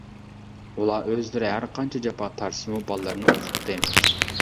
ئۇلار ئۆزلىرى ھەر قانچە جاپا تارتسىمۇ بالىلىرىنى ئوقۇتتى.